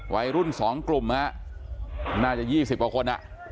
วัยรุ่น๒กลุ่มฮะน่าจะ๒๐กว่าคน